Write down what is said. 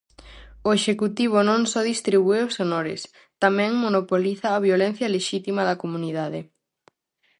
O executivo non só distribúe os honores; tamén monopoliza a violencia lexítima da comunidade.